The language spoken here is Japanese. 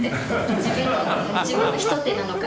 自分の一手なのか。